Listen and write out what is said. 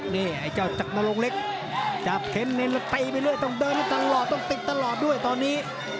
นี่ไอ้เจ้าจักรนรงเล็กจับเข้นเน้นแล้วตีไปเรื่อยต้องเดินตลอดต้องติดตลอดด้วยตอนนี้